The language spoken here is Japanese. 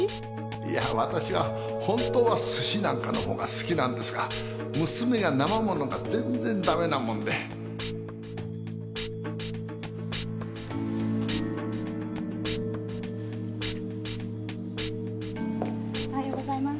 いやわたしはホントは寿司なんかのほうが好きなんですが娘がなま物が全然ダメなもんでおはようございます。